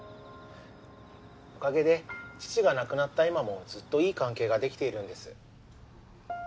おかげで父が亡くなった今もずっといい関係ができているんです。